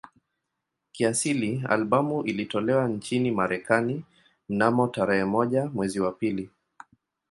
Kiasili albamu ilitolewa nchini Marekani mnamo tarehe moja mwezi wa pili